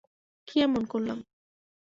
কী এমন করলাম?